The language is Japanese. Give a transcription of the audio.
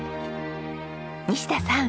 西田さん！